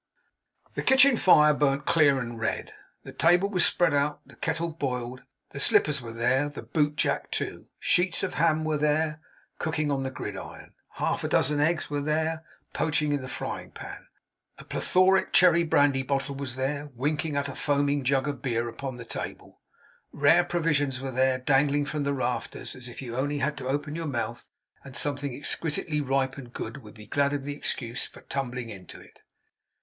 The kitchen fire burnt clear and red, the table was spread out, the kettle boiled; the slippers were there, the boot jack too, sheets of ham were there, cooking on the gridiron; half a dozen eggs were there, poaching in the frying pan; a plethoric cherry brandy bottle was there, winking at a foaming jug of beer upon the table; rare provisions were there, dangling from the rafters as if you had only to open your mouth, and something exquisitely ripe and good would be glad of the excuse for tumbling into it.